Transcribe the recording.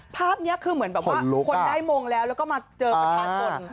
ภาพนี้คือเหมือนแบบว่าคนได้มงแล้วแล้วก็มาเจอประชาชน